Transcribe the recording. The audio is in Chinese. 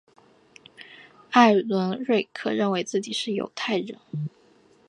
艾伦瑞克认为自己是犹太人。